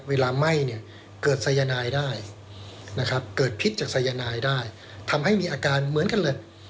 ไหม้เนี่ยเกิดสายนายได้นะครับเกิดพิษจากสายนายได้ทำให้มีอาการเหมือนกันเลย